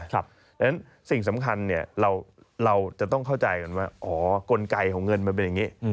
เพราะฉะนั้นสิ่งสำคัญเราจะต้องเข้าใจกันว่าอ๋อกลไกของเงินมันเป็นอย่างนี้